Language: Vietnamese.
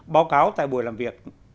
báo cáo tại buổi làm việc